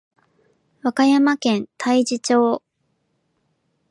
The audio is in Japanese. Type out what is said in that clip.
和歌山県太地町